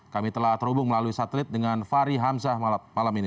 kami telah terhubung melalui satelit dengan fahri hamzah malam ini